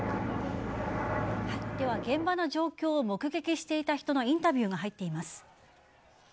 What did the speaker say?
では、現場の状況を目撃していた人のインタビューが入っています。